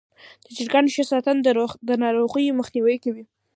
د چرګانو ښه ساتنه د ناروغیو مخنیوی کوي.